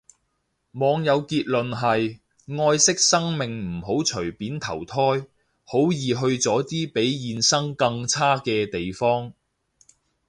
網友結論係，愛惜生命唔好隨便投胎，好易去咗啲比現生更差嘅地方